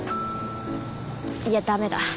いや駄目だ。